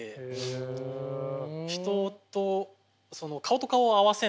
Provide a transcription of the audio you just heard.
人と顔と顔を合わせない。